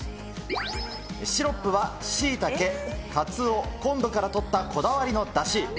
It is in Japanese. シロップは、シイタケ、かつお、昆布からとったこだわりのだし。